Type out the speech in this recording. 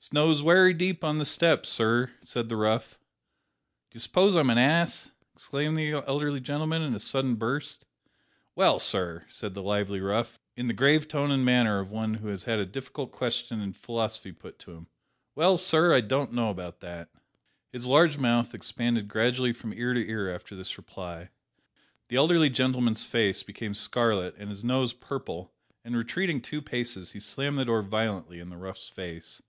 "Snow's wery deep on the steps, sir," said the rough. "D'you suppose I'm an ass?" exclaimed the elderly gentleman, in a sudden burst. "Well, sir," said the lively rough, in the grave tone and manner of one who has had a difficult question in philosophy put to him, "well, sir, I don't know about that." His large mouth expanded gradually from ear to ear after this reply. The elderly gentleman's face became scarlet and his nose purple, and retreating two paces, he slammed the door violently in the rough's face.